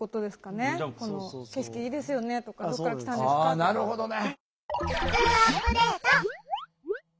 あなるほどね。